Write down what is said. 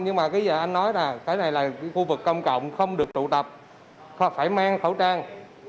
nhưng mà bây giờ anh nói là cái này là khu vực công cộng không được tụ tập hoặc phải mang khẩu trang